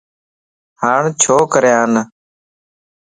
ھاڻ ڇو ڪريان؟